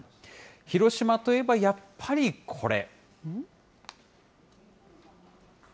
広島といえば、やっぱりこれ。